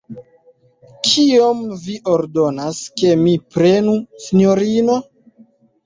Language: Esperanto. Kiom vi ordonas, ke mi prenu, sinjorino?